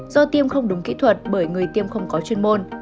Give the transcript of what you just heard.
do tiêm không đúng kỹ thuật bởi người tiêm không có chuyên môn